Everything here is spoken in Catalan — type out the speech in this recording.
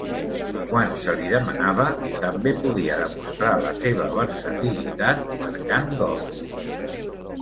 Quan se li demanava, també podia demostrar la seva versatilitat marcant gols.